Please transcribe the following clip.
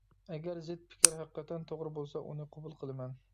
ئەگەر زىت پىكىر ھەقىقەتەن توغرا بولسا ئۇنى قوبۇل قىلىمەن.